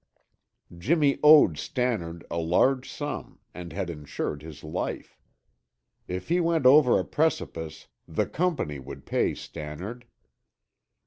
Jimmy owed Stannard a large sum and had insured his life. If he went over a precipice, the company would pay Stannard.